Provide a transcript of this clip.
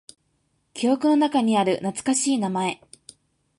記憶の中にある懐かしい名前。